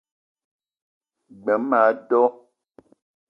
G-beu ma a do